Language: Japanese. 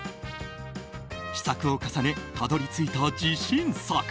試作を重ね、たどり着いた自信作。